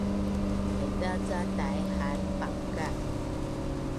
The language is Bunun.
Haiza ca tai’ haan pangka’